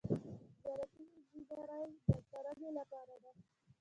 زراعتي انجنیری د کرنې لپاره ده.